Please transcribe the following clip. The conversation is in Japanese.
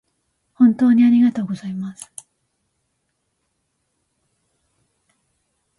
本当にありがとうございます